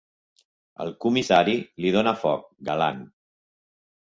El comissari li dóna foc, galant.